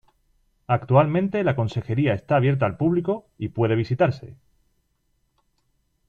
Actualmente la Consejería está abierta al público y puede visitarse.